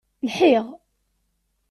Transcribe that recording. Lḥiɣ.